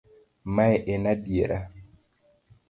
Mae en adiera.